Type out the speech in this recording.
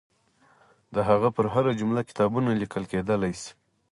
د هغه پر هره جمله کتابونه لیکل کېدلای شي.